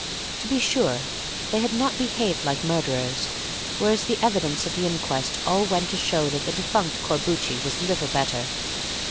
To be sure, they had not behaved like murderers, whereas the evidence at the inquest all went to show that the defunct Corbucci was little better.